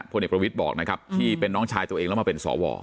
เด็กประวิทย์บอกนะครับที่เป็นน้องชายตัวเองแล้วมาเป็นสว